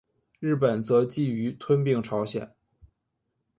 日本则觊觎吞并朝鲜。